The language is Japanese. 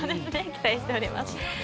期待しております。